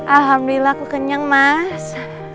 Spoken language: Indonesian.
alhamdulillah aku kenyang mas